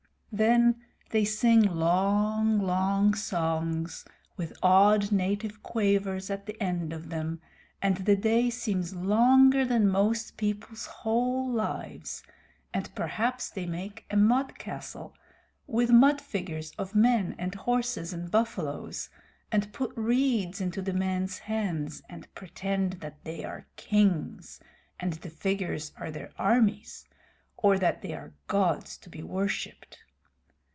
Then they sing long, long songs with odd native quavers at the end of them, and the day seems longer than most people's whole lives, and perhaps they make a mud castle with mud figures of men and horses and buffaloes, and put reeds into the men's hands, and pretend that they are kings and the figures are their armies, or that they are gods to be worshiped.